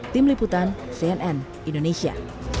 tim liputan cnn indonesia